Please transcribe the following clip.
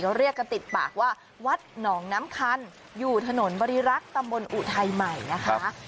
เรียกกันติดปากว่าวัดหนองน้ำคันอยู่ถนนบริรักษ์ตำบลอุทัยใหม่นะคะ